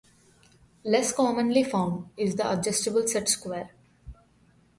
Less commonly found is the adjustable set square.